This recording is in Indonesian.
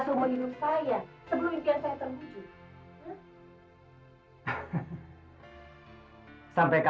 s or melewati ya sebetulnya saya dankar